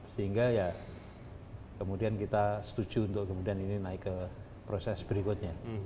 sehingga ya kemudian kita setuju untuk kemudian ini naik ke proses berikutnya